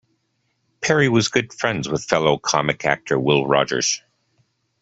Perry was good friends with fellow comic actor Will Rogers.